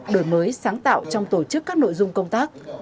đổi mới sáng tạo trong tổ chức các nội dung công tác